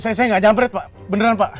saya gak jamret pak beneran pak